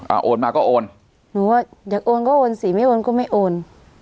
โอนมาก็โอนหนูว่าอยากโอนก็โอนสิไม่โอนก็ไม่โอน